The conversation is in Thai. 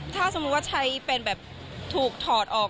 ถ้าสมมุติว่าใช้เป็นแบบถูกถอดออก